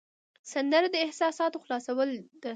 سندره د احساساتو خلاصول ده